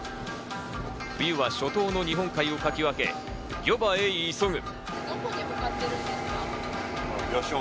冬は初冬の日本海をかき分け漁場へ急ぐ。